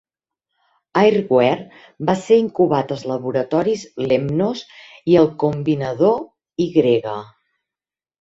Airware va ser incubat als laboratoris Lemnos i al Combinador Y.